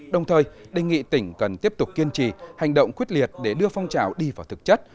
đồng thời đề nghị tỉnh cần tiếp tục kiên trì hành động quyết liệt để đưa phong trào đi vào thực chất